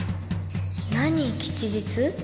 何吉日？